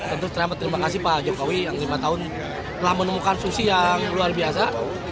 tentu terima kasih pak jokowi yang lima tahun telah menemukan susi yang luar biasa